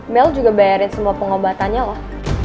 mel juga bayarin semua pengobatannya loh